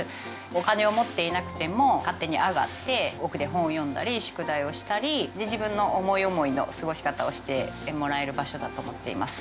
お金を持っていなくても勝手に上がって奥で本を読んだり宿題をしたり自分の思い思いの過ごし方をしてもらえる場所だと思っています